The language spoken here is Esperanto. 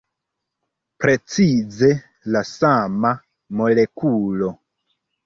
Precize la sama molekulo.